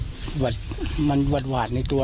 หญิงบอกว่าจะเป็นพี่ปวกหญิงบอกว่าจะเป็นพี่ปวก